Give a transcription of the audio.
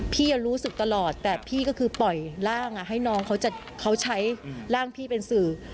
รู้สึกตลอดแต่พี่ก็คือปล่อยร่างให้น้องเขาใช้ร่างพี่เป็นสื่อ